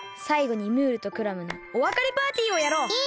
さいごにムールとクラムのおわかれパーティーをやろう！